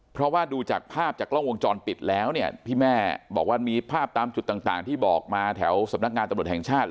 เพราะว่าดูจากภาพจากกล้องวงจรปิดแล้วเนี่ยที่แม่บอกว่ามีภาพตามจุดต่างที่บอกมาแถวสำนักงานตำรวจแห่งชาติ